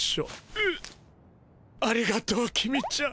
うありがとう公ちゃん。